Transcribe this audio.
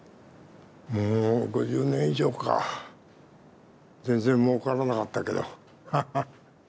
もう５０年以上か全然もうからなかったけど。